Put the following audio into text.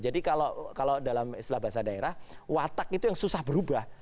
jadi kalau dalam istilah bahasa daerah watak itu yang susah berubah